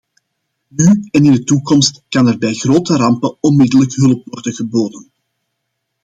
Nu en in de toekomst kan er bij grote rampen onmiddellijk hulp worden geboden.